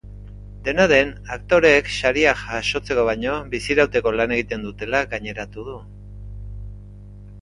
Dena den, aktoreek sariak jasotzeko baino bizirauteko lan egiten dutela gaineratu du.